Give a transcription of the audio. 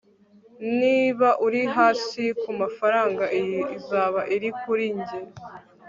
niba uri hasi kumafaranga, iyi izaba iri kuri njye